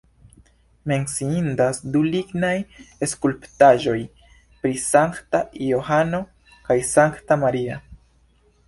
Menciindas du lignaj skulptaĵoj pri Sankta Johano kaj Sankta Maria.